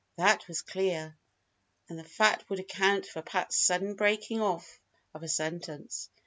That was clear: and the fact would account for Pat's sudden breaking off of a sentence.